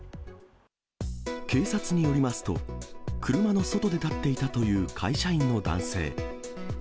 警察によりますと、車の外で立っていたという会社員の男性。